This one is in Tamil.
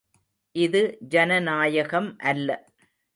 இது ஜனநாயகம் அல்ல!